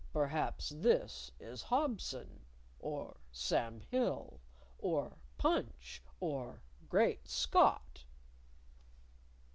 "Perhaps this is Hobson, or Sam Hill, or Punch, or Great Scott."